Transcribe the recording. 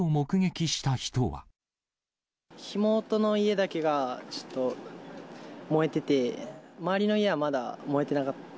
火元の家だけがちょっと燃えてて、周りの家はまだ燃えてなかった。